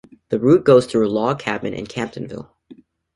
The route goes through Log Cabin and Camptonville.